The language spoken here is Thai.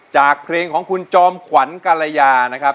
จากเพลงของคุณจอมขวัญกรยานะครับ